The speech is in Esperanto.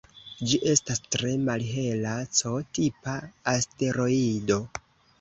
Ĝi estas tre malhela C-tipa asteroido.